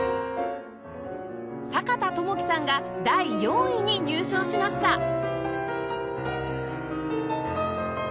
阪田知樹さんが第４位に入賞しました！